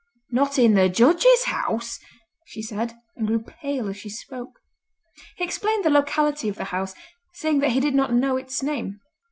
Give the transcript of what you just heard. "Not in the Judge's House!" she said, and grew pale as she spoke. He explained the locality of the house, saying that he did not know its name.